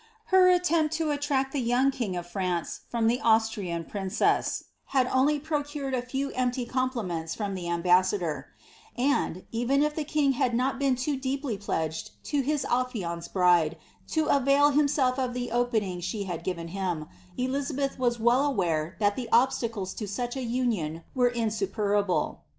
Her attempt to attract the young king* of France from the Austrian princess had only procured a few empty compliments from the ambassador ; and, even if the king h«l not been too deeply pledged to his affianced bride to avail himself of the opening she had given him, Elizabeth was well aware that the obetaelet to such a union were insuperable.